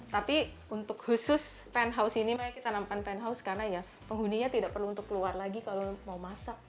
tapi untuk khusus penthouse ini kita tanamkan penthouse karena ya penghuninya tidak perlu untuk keluar lagi kalau mau masak